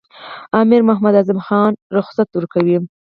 امیر محمد اعظم خان رخصت ورکوي.